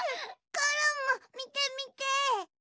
コロンもみてみて！